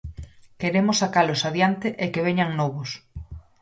Queremos sacalos adiante e que veñan novos.